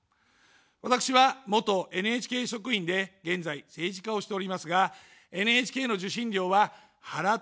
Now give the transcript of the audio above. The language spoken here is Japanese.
私は元ＮＨＫ職員で、現在、政治家をしておりますが、ＮＨＫの受信料は払ってません。